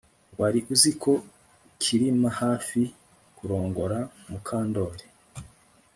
Wari uzi ko Kirima hafi kurongora Mukandoli